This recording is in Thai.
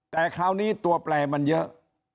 แต่คราวนี้ตัวแปลมันเยอะ